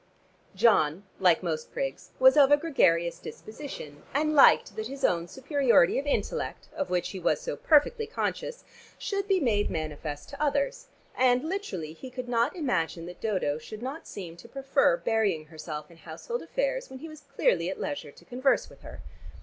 John, like most prigs, was of a gregarious disposition, and liked that his own superiority of intellect, of which he was so perfectly conscious, should be made manifest to others and, literally, he could not imagine that Dodo should not seem to prefer burying herself in household affairs when he was clearly at leisure to converse with her.